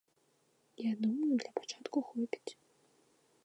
Я думаю, для пачатку хопіць.